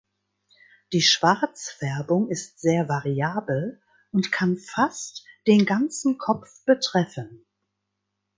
Die Schwarzfärbung ist sehr variabel und kann fast den ganzen Kopf betreffen.